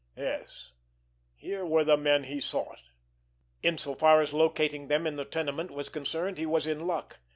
Yes, here were the men he sought. In so far as locating them in the tenement was concerned, he was in luck.